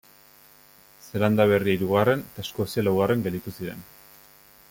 Zeelanda Berria hirugarren eta Eskozia laugarren gelditu ziren.